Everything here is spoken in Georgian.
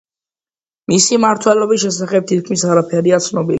მისი მმართველობის შესახებ თითქმის არაფერია ცნობილი.